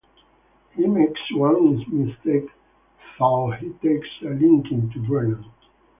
He makes one mistake, though-he takes a liking to Brennan.